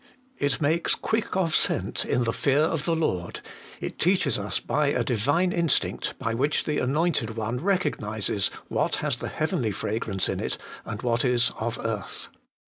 It makes 'quick of scent in the fear of the Lord :' it teaches us by a Divine instinct, by which the anointed one recog nises what has the heavenly fragrance in it, and what is of earth.